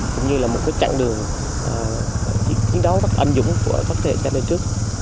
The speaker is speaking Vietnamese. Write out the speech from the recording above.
cũng như là một trạng đường chiến đấu bắt anh dũng của các thế hệ trang đại trước